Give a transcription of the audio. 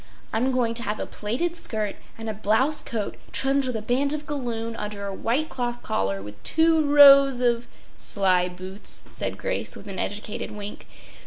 I’m going to have a plaited skirt and a blouse coat trimmed with a band of galloon under a white cloth collar with two rows of—” “Sly boots!” said Grace with an educated wink.